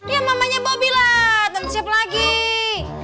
ya mamanya bobi lah tante siap lagi